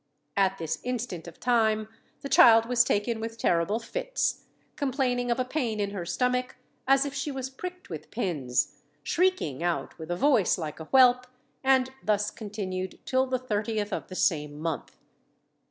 At this instant of time, the child was taken with terrible fits, complaining of a pain in her stomach, as if she was pricked with pins, shrieking out with a voice like a whelp, and thus continued till the 30th of the same month.